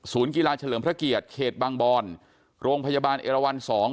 กีฬาเฉลิมพระเกียรติเขตบางบอนโรงพยาบาลเอราวันสอง